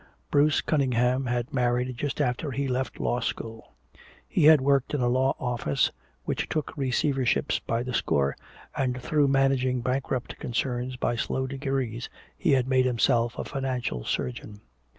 Bruce Cunningham had married just after he left law school. He had worked in a law office which took receiverships by the score, and through managing bankrupt concerns by slow degrees he had made himself a financial surgeon.